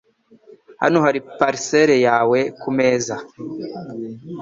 Hano hari parcelle yawe kumeza.